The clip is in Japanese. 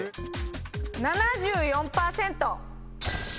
７４％。